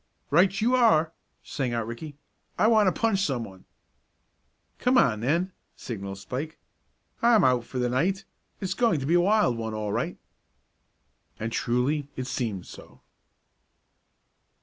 "Right you are!" sang out Ricky. "I want to punch someone." "Come on then," signalled Spike. "I'm out for the night. It's going to be a wild one all right." And truly it seemed so.